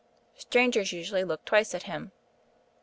Strangers usually looked twice at him.